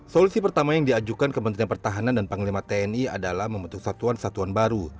solusi pertama yang diajukan kementerian pertahanan dan panglima tni adalah membentuk satuan satuan baru